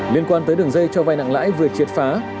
liên quan tới đường dây cho vai nặng lãi vừa triệt phá